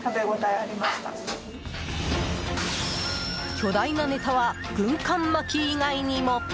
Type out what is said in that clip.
巨大なネタは軍艦巻き以外にも。